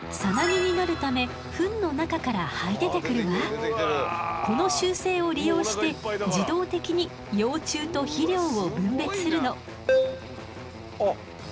栄養を蓄えた幼虫はこの習性を利用して自動的に幼虫と肥料を分別するの。